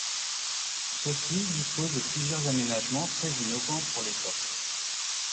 Ceux-ci disposent de plusieurs aménagements très innovants pour l'époque.